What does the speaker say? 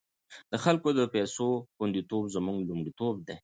د خلکو د پيسو خوندیتوب زموږ لومړیتوب دی۔